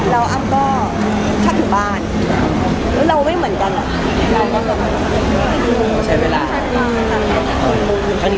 แล้วอ้ำก็ชัดถึงบ้านแล้วเราไม่เหมือนกัน